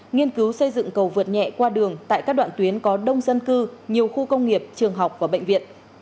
nghiên cứu xây dựng cầu vượt nhẹ qua đường tại các đoạn tuyến có đông dân cư nhiều khu công nghiệp trường học và bệnh viện